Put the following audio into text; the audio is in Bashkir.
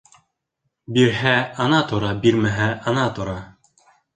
Бирһә — ана тора, бирмәһә — ана тора.